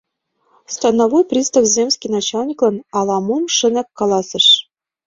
Становой пристав земский начальниклан ала-мом шынак каласыш.